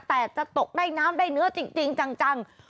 แต่จะตกได้น้ำได้เนื้อจริงจัง